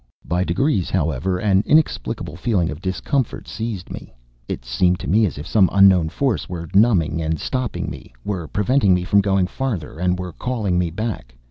By degrees, however, an inexplicable feeling of discomfort seized me. It seemed to me as if some unknown force were numbing and stopping me, were preventing me from going farther and were calling me back.